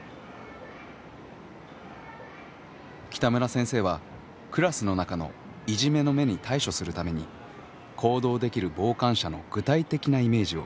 北村先生はクラスの中のいじめの芽に対処するために行動できる傍観者の具体的なイメージを子どもたちに示したいと考えていました。